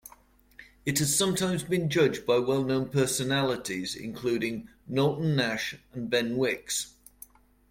It has sometimes been judged by well-known personalities, including Knowlton Nash and Ben Wicks.